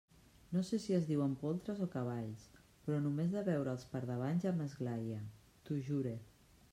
No sé si es diuen poltres o cavalls, però només de veure'ls per davant ja m'esglaie, t'ho jure.